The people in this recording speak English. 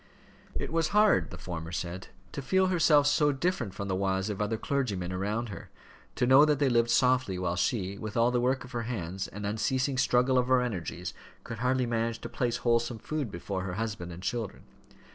"It was hard," the former said, "to feel herself so different from the wives of other clergymen around her to know that they lived softly, while she, with all the work of her hands, and unceasing struggle of her energies, could hardly manage to place wholesome food before her husband and children.